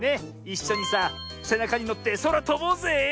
いっしょにさせなかにのってそらとぼうぜえ！